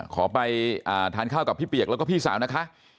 ขอไปทานข้าวกับพี่เปียกแล้วก็พี่สาวนะคะ